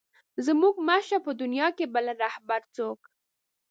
زموږ مه شه په دنیا کې بل رهبر څوک.